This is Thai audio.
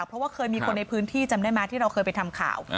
เพราะว่าเคยมีคนในพื้นที่จำได้ไหมที่เราเคยไปทำข่าว